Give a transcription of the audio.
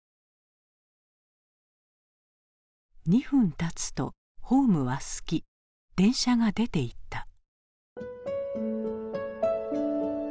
２分たつとホームはすき電車が出ていった。